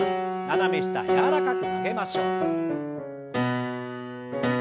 斜め下柔らかく曲げましょう。